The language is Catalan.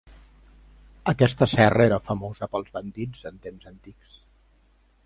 Aquesta serra era famosa pels bandits en temps antics.